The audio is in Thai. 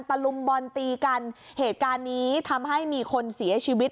ลุมบอลตีกันเหตุการณ์นี้ทำให้มีคนเสียชีวิต